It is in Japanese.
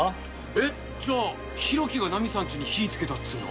えっじゃあ浩喜がナミさんちに火つけたっつうの？